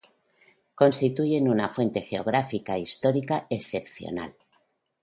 Constituyen una fuente geográfica e histórica excepcional.